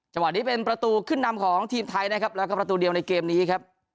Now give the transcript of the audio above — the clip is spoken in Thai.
นี้เป็นประตูขึ้นนำของทีมไทยนะครับแล้วก็ประตูเดียวในเกมนี้ครับ